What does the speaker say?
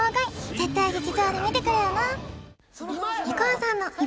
絶対劇場で見てくれよな